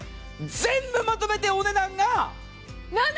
全部まとめてお値段が。